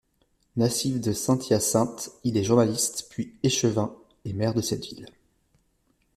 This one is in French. Natif de Saint-Hyacinthe, il est journaliste, puis échevin et maire de cette ville.